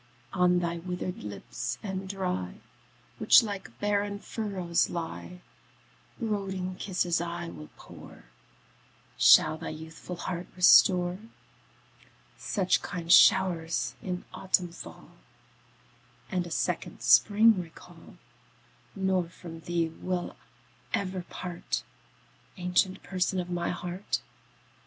On thy withered lips and dry, Which like barren furrows lie, Brooding kisses I will pour, Shall thy youthful heart restore, Such kind show'rs in autumn fall, And a second spring recall; Nor from thee will ever part, Ancient Person of my heart.